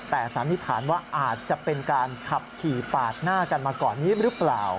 แต่สันนิษฐานว่าอาจจะเป็นการขับขี่ปาดหน้ากันมาก่อนนี้หรือเปล่า